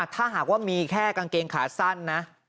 ถ้าหากว่ามีแค่กางเกงขาสั้นนะ